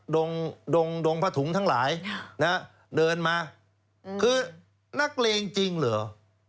ดงดงดงพะถุงทั้งหลายนะฮะเดินมาอืมคือนักเลงจริงหรือ